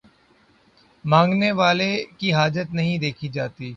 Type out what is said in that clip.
مانگنے والے کی حاجت نہیں دیکھی جاتی